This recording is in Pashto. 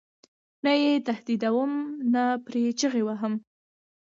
نه یې تهدیدوم نه پرې چغې وهم.